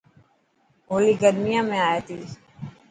هولي گرميان ۾ آئي تي.